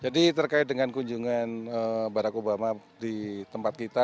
jadi terkait dengan kunjungan barack obama di tempat kita